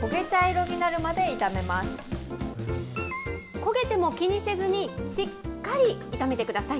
焦げても気にせずに、しっかり炒めてください。